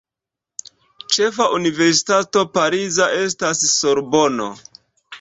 Ĉefa universitato pariza estas Sorbono.